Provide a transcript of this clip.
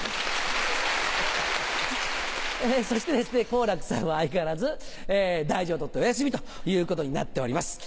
好楽さんは相変わらず大事を取ってお休みということになっております。